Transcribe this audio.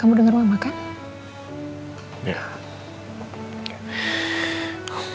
kamu denger mama kan